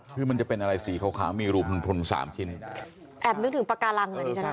คือมันจะเป็นอะไรสีขาวขาวมีรูพุนพุนสามชิ้นแอบนึกถึงปากกาลังอันนี้จริงจริง